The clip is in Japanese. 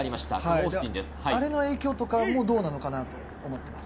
あの影響とかもどうなのかなって思っています。